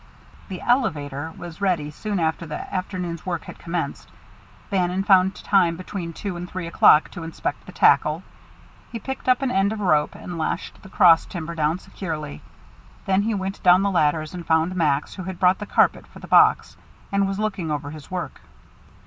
The "elevator" was ready soon after the afternoon's work had commenced. Bannon found time between two and three o'clock to inspect the tackle. He picked up an end of rope and lashed the cross timber down securely. Then he went down the ladders and found Max, who had brought the carpet for the box and was looking over his work.